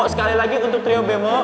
sekali lagi untuk trio bemo